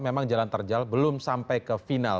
memang jalan terjal belum sampai ke final